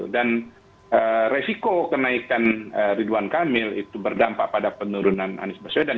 dan resiko kenaikan ridwan kamil itu berdampak pada penurunan anies baswedan